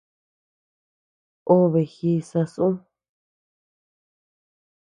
Obe ji sasu.